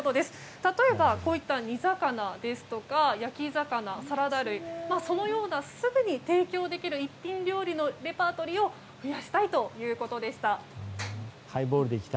例えば、煮魚や焼き魚サラダ類、そのようなすぐに提供できる一品料理のレパートリーを増やしたいということでした。